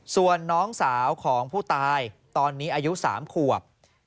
ส่วนน้องสาวของผู้ตายตอนนี้อายุ๓ขวบ